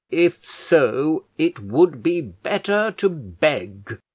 "If so, it would be better to beg."